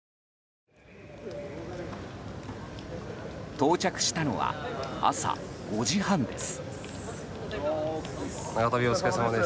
到着したのは朝５時半です。